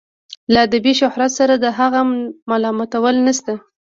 له ادبي شهرت سره د هغه معلومات نشته.